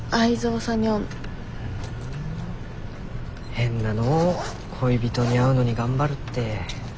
変なの恋人に会うのに頑張るって。